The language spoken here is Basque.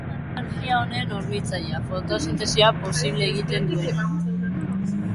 Argia da energia honen hornitzailea, fotosintesia posible egiten duena.